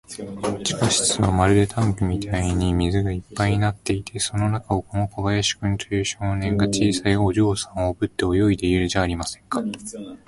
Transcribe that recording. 地下室はまるでタンクみたいに水がいっぱいになっていて、その中を、この小林君という少年が、小さいお嬢さんをおぶって泳いでいるじゃありませんか。